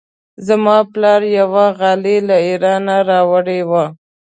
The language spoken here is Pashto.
زما پلار یوه غالۍ له ایران راوړې وه.